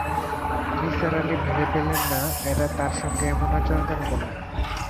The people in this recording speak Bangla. নিসার আলি ভেবে পেলেন না, এরা তাঁর সঙ্গে এমন আচরণ কেন করলেন।